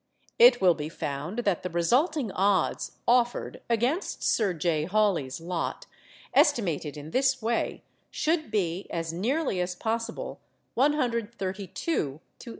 It will be found that the resulting odds (offered) against Sir J. Hawley's lot—estimated in this way—should be, as nearly as possible, 132 to 80.